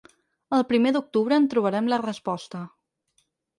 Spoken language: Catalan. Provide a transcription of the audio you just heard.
El primer d’octubre en trobarem la resposta.